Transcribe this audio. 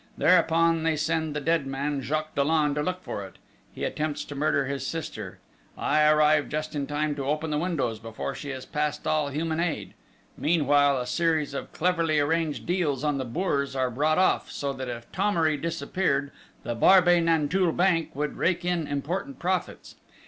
Thereupon, they send the dead man Jacques Dollon to look for it: he attempts to murder his sister: I arrive just in time to open the windows before she is past all human aid.... Meanwhile a series of cleverly arranged deals on the Bourse are brought off, so that if Thomery disappeared the Barbey Nanteuil Bank would rake in important profits